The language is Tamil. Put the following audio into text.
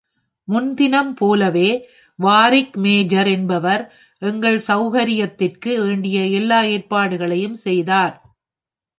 முன்தினம் போலவே வாரிக் மேஜர் என்பவர் எங்கள் சௌகரியத்திற்கு வேண்டிய எல்லா ஏற்பாடுகளையும் செய்தார்.